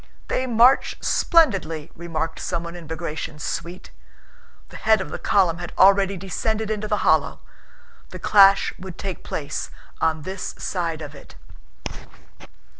"They march splendidly," remarked someone in Bagratión's suite. The head of the column had already descended into the hollow. The clash would take place on this side of it...